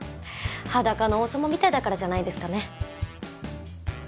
裸の王様みたいだからじゃないですかね